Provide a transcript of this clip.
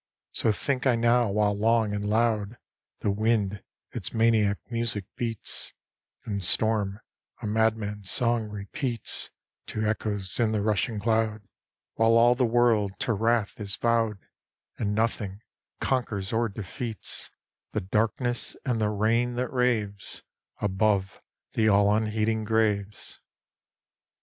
So think I now while, long and loud, The wind its maniac music beats, And storm a madman's song repeats To echoes in the rushing cloud; While all the world to wrath is vowed, And nothing conquers or defeats The darkness and the rain that raves Above the all unheeding graves.